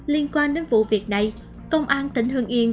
liên quan đến vụ việc này công an tỉnh hương yên